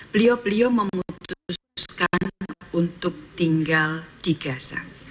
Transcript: beliau beliau memutuskan untuk tinggal di gaza